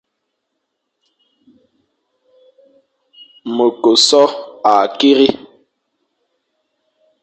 Me ke so akiri,